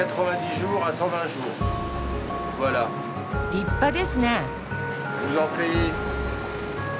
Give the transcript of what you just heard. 立派ですね！